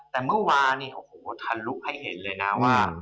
แต่เมื่อวานี้ภารุให้เห็นเลยนะว่า